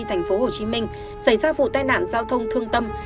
thành phố hồ chí minh xảy ra vụ tai nạn giao thông thương tâm